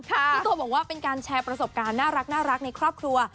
พี่ตัวบอกว่าเป็นการแชร์ประสบการณ์น่ารักในครอบครัว